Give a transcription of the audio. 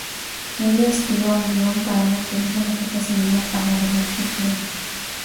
Ella escribió un guion para una película que fue similar a la del artículo.